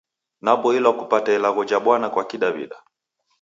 Naboilwa kupata Ilagho ja Bwana kwa Kidaw'ida.